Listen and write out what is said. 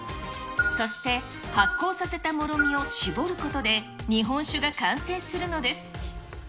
そして、発酵させたもろみを搾ることで日本酒が完成するのです。